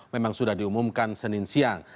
memang sudah diumumkan senin siang